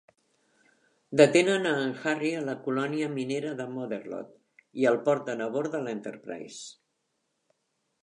Detenen a en Harry a la colònia minera de Motherlode i el porten abord de l'Enterprise.